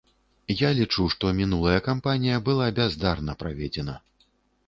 Я лічу, што мінулая кампанія была бяздарна праведзена.